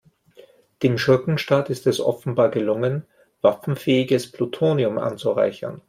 Dem Schurkenstaat ist es offenbar gelungen, waffenfähiges Plutonium anzureichern.